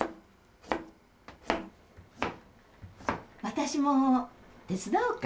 私も手伝おうか？